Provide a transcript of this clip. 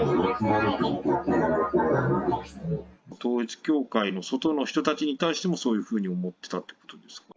統一教会の外の人たちに対しても、そういうふうに思ってたってことですか？